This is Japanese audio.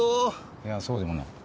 いやそうでもない。